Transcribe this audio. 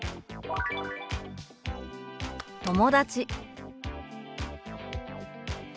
「友達」。